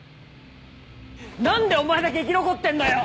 何でお前だけ生き残ってんだよ！